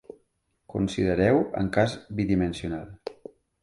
Considereu un cas bidimensional.